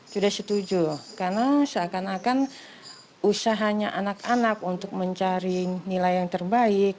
sudah setuju loh karena seakan akan usahanya anak anak untuk mencari nilai yang terbaik